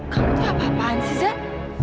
kamu tuh apa apaan sih zat